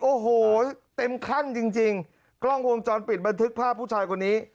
โอ้โหเต็มขั้นจริงจริงกล้องวงจรปิดบันทึกภาพผู้ชายคนนี้